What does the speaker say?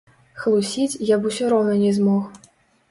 Хлусіць я б усё роўна не змог.